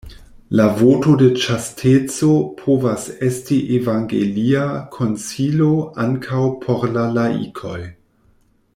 La voto de ĉasteco povas esti evangelia konsilo ankaŭ por la laikoj.